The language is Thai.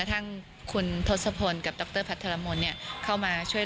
กระทั่งคุณทศพลกับดรพัทธรมนเนี้ยเข้ามาช่วย